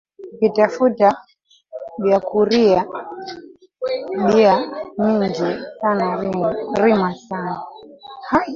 Ukitafuta byakuria bya mingi sana rima sana